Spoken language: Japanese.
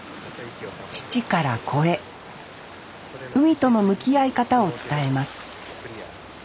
父から子へ海との向き合い方を伝えます